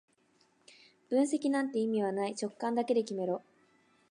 分析なんて意味はない、直感だけで決めろ